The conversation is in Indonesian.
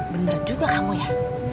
bener juga kamu ya